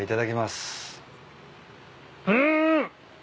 はい。